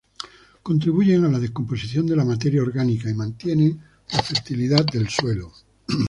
Contribuyen a la descomposición de la materia orgánica y mantienen la fertilidad del suelo.